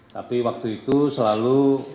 tapi waktu itu selalu